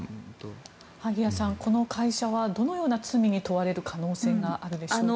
萩谷さん、この会社はどのような罪に問われる可能性があるでしょうか。